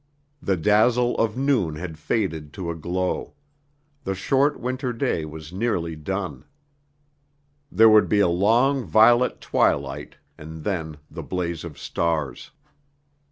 The dazzle of noon had faded to a glow. The short winter day was nearly done. There would be a long violet twilight, and then, the blaze of stars.